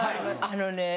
あのね